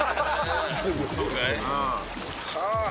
そうかい？